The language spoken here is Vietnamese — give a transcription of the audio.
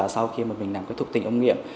sau khi mà mình làm cái thụ tinh ôm nghiệm